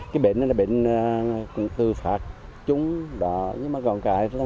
cái bệnh này là bệnh tư phạt trúng đỏ nhưng mà còn cái là